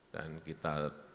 dan kita terima kasih